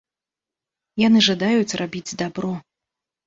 Яны жадаюць рабіць дабро.